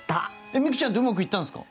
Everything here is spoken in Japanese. ミクちゃんとうまくいったんすか？